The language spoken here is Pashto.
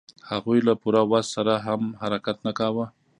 هغوی له پوره وس سره هم حرکت نه کاوه.